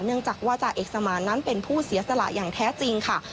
เนื่องจากว่าจ่าเอกสมานนั้นเป็นผู้เสียสละอย่างแท้จริงค่ะ